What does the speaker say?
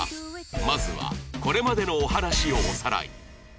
まずはこれまでのお話をおさらい